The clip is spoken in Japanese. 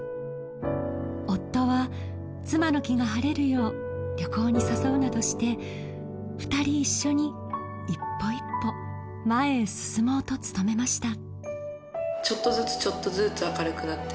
夫は妻の気が晴れるよう旅行に誘うなどして２人一緒に一歩一歩前へ進もうと努めました